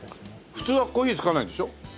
普通はコーヒー付かないんでしょ？